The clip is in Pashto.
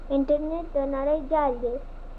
انټرنیټ د نړۍ جال دی.